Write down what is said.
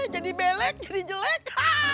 jadi belek jadi jelek